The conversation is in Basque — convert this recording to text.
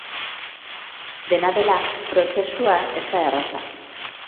Dena dela, prozesua ez da erraza.